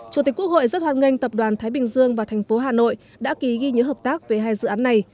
chủ tịch quốc hội rất hoan nghênh tập đoàn thái bình dương và thành phố hà nội đã ký ghi nhớ hợp tác về hai dự án này